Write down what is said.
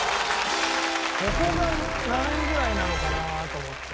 ここが何位ぐらいなのかな？と思って。